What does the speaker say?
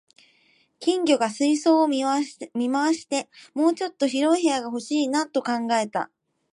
金魚が水槽を見回して、「もうちょっと広い部屋が欲しいな」と考えた